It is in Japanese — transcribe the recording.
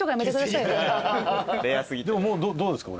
でももうどうですか？